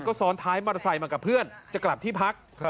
ก็ซ้อนท้ายมอเตอร์ไซค์มากับเพื่อนจะกลับที่พัก